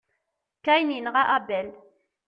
Kain yenɣa Abel.